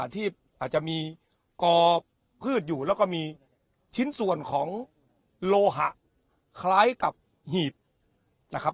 ที่อาจจะมีกอพืชอยู่แล้วก็มีชิ้นส่วนของโลหะคล้ายกับหีบนะครับ